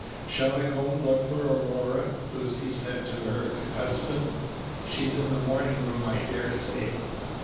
"Shall I go and look for Aurora?" Lucy said to her husband. "She is in the morning room, I dare say."